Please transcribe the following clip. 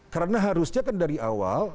karena harusnya kan dari awal